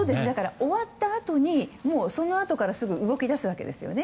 終わったあとにそのあとからすぐ動き出すわけですね。